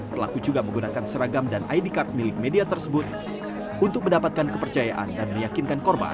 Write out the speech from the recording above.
pelaku juga menggunakan seragam dan id card milik media tersebut untuk mendapatkan kepercayaan dan meyakinkan korban